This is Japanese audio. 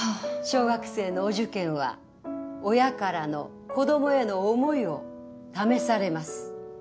小学生のお受験は親からの子供への思いを試されます。